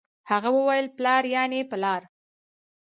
هغه وويل پلار يعنې په لار